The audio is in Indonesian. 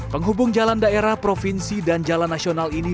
penghubung jalan daerah provinsi dan jalan nasional ini